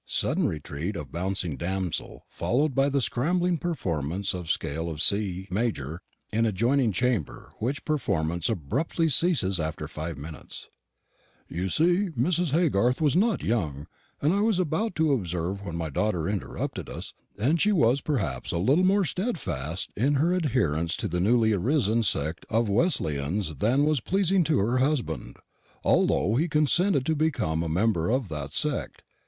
[_Sudden retreat of bouncing damsel, followed by the scrambling performance of scale of C major in adjoining chamber, which performance abruptly ceases after five minutes_.] You see Mrs. Haygarth was not young, as I was about to observe when my daughter interrupted us; and she was perhaps a little more steadfast in her adherence to the newly arisen sect of Wesleyans than was pleasing to her husband, although he consented to become a member of that sect.